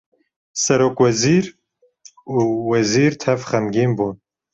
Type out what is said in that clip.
serokwezir û wezîr tev xemgîn bûn